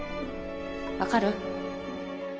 分かる？